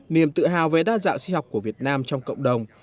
niềm tự hào về đa dạng sinh học của việt nam trong cộng đồng